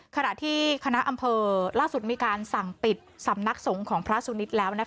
ขณะที่คณะอำเภอล่าสุดมีการสั่งปิดสำนักสงฆ์ของพระสุนิทแล้ว